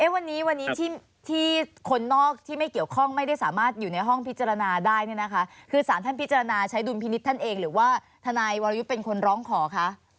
วันนี้วันนี้ที่คนนอกที่ไม่เกี่ยวข้องไม่ได้สามารถอยู่ในห้องพิจารณาได้เนี่ยนะคะคือสารท่านพิจารณาใช้ดุลพินิษฐ์ท่านเองหรือว่าทนายวรยุทธ์เป็นคนร้องขอคะ